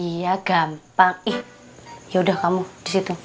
iya gampang ih yaudah kamu di situ